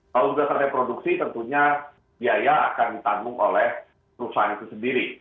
kalau sudah selesai produksi tentunya biaya akan ditanggung oleh perusahaan itu sendiri